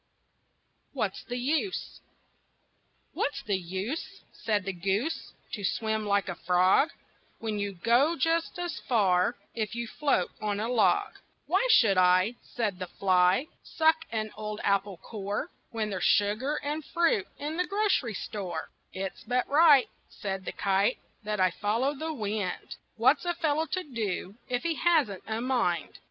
WHAT'S THE USE? "What's the use," Said the goose, "To swim like a frog, When you go just as far If you float on a log?" "Why should I," Said the fly, "Suck an old apple core, When there's sugar and fruit In the grocery store?" "It's but right," Said the kite, "That I follow the wind. What's a fellow to do If he hasn't a mind?"